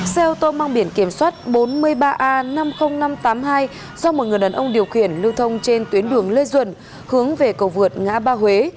xe ô tô mang biển kiểm soát bốn mươi ba a năm mươi nghìn năm trăm tám mươi hai do một người đàn ông điều khiển lưu thông trên tuyến đường lê duẩn hướng về cầu vượt ngã ba huế